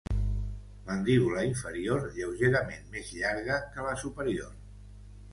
Mandíbula inferior lleugerament més llarga que la superior.